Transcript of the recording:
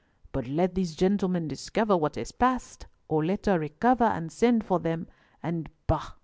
But let these gentlemen discover what has passed, or let her recover and send for them, and bah!